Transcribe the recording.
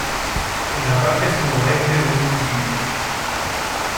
En la parte sudoeste del Municipio.